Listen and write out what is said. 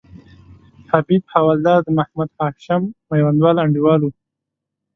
حبیب حوالدار د محمد هاشم میوندوال انډیوال وو.